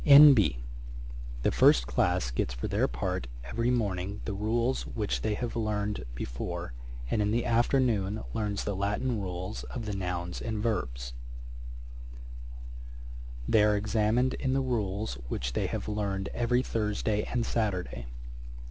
'N.B. The first class gets for their part every morning the rules which they have learned before, and in the afternoon learns the Latin rules of the nouns and verbs. [Page 100: A scheme of study. A.D. 1736.] 'They are examined in the rules which they have learned every Thursday and Saturday.